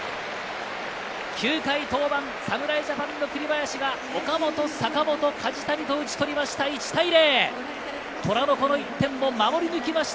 ９回登板、侍ジャパンの栗林が岡本、坂本、梶谷と打ち取りました。